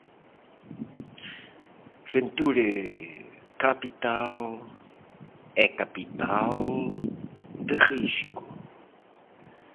Venture Capital é capital de risco.